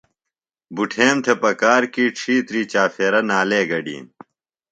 بُٹھیم تھےۡ پکار کی ڇِھیتری چاپھیرہ نالے گڈِین۔